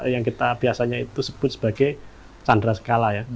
yang kita biasanya itu sebut sebagai candra sengkala ya